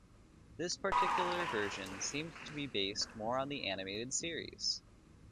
This particular version seems to be based more on the animated series.